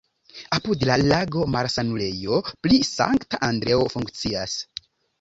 Apud la lago malsanulejo pri Sankta Andreo funkcias.